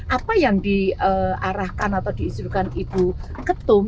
apa yang diarahkan atau diizinkan ibu ketum